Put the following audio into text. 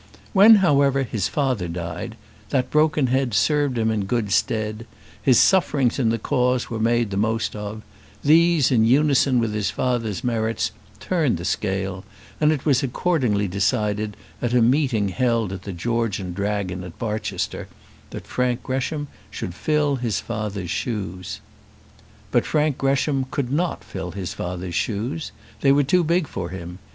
When, however, his father died, that broken head served him in good stead: his sufferings in the cause were made the most of; these, in unison with his father's merits, turned the scale, and it was accordingly decided, at a meeting held at the George and Dragon, at Barchester, that Frank Gresham should fill his father's shoes. But Frank Gresham could not fill his father's shoes; they were too big for him.